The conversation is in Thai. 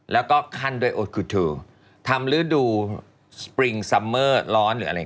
แล้วก็คั่นด้วยทำฤดูร้อนหรืออะไร